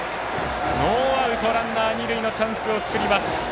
ノーアウト、ランナー、二塁のチャンスを作ります。